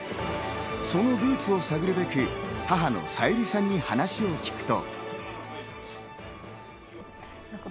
そのルーツを探るべく、母の小由利さんに話を聞くと。